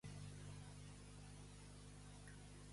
I què ha ofert Cottarelli?